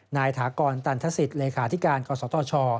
ถากรตันทศิษย์เลขาธิการกศธช